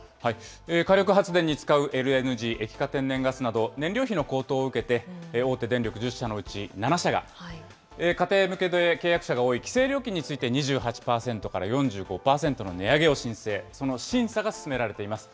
火力発電に使うＬＮＧ・液化天然ガスなど燃料費の高騰を受けて、大手電力１０社のうち７社が、家庭向けで契約者が多い規制料金について、２８％から４５％の値上げを申請、その審査が進められています。